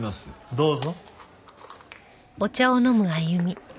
どうぞ。